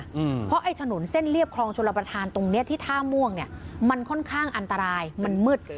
อืมเพราะไอ้ถนนเส้นเรียบคลองชลประธานตรงเนี้ยที่ท่าม่วงเนี้ยมันค่อนข้างอันตรายมันมืด